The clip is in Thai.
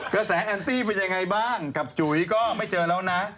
กระแสแอนตี้เป็นยังไงบ้างกับจุ๋ยก็ไม่เจอแล้วนะ